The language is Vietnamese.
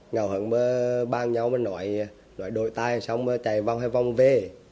ngầu hứng mà ban nhau mà nổi đổi tài xong chạy vòng hay vòng về